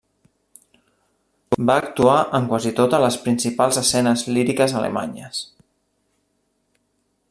Va actuar en quasi totes les principals escenes líriques alemanyes.